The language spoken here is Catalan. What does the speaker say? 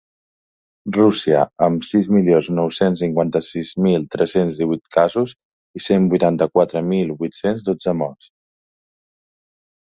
Rússia, amb sis milions nou-cents cinquanta-sis mil tres-cents divuit casos i cent vuitanta-quatre mil vuit-cents dotze morts.